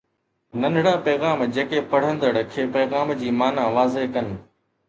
ننڍڙا پيغام جيڪي پڙهندڙ کي پيغام جي معنيٰ واضح ڪن